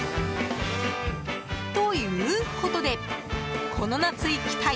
ということで、この夏行きたい！